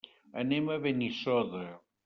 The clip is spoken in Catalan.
Anem a Benissoda.